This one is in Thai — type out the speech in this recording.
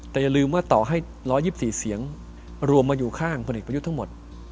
แต่อย่าลืมว่าต่อให้๑๒๔เสียงรวมมาอยู่ข้างพลเอกประยุทธ์ทั้งหมด